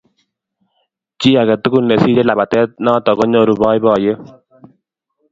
Chi age tugul nesire labatet noto konyoru boiboyet